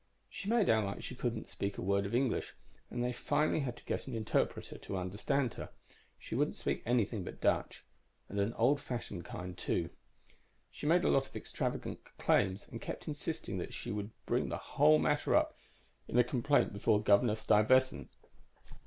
She made out like she couldn't speak a word of English, and they finally had to get an interpreter to understand her. She wouldn't speak anything but Dutch and an old fashioned kind, too. "She made a lot of extravagant claims and kept insisting that she would bring the whole matter up in a complaint before Governor Stuyvesant.